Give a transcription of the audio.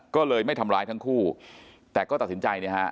ก็เลยไม่ทำร้ายทั้งคู่แต่ก็ตัดสินใจเนี่ยฮะ